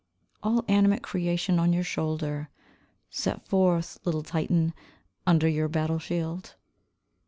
All animate creation on your shoulder, Set forth, little Titan, under your battle shield.